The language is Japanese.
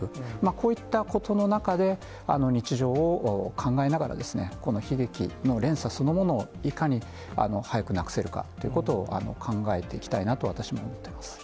こういったことの中で、日常を考えながらですね、この悲劇の連鎖そのものをいかに早くなくせるかっていうことを考えていきたいなと私も思っています。